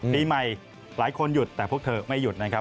ปีใหม่หลายคนหยุดแต่พวกเธอไม่หยุดนะครับ